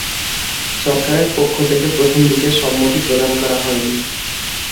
সরকারের পক্ষ থেকে প্রথম দিকে সম্মতি প্রদান করা হয়নি।